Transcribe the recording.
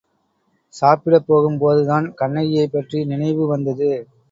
சாப்பிடப் போகும் போதுதான் கண்ணகியைப்பற்றிய நினைவு வந்தது.